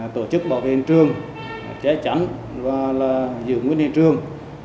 tổ chức bảo vệ hình trường chế chắn và giữ nguyên hình trường